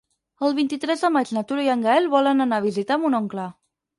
El vint-i-tres de maig na Tura i en Gaël volen anar a visitar mon oncle.